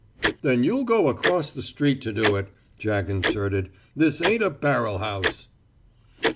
"Then you'll go across the street to do it," Jack inserted. "This ain't a barrel house."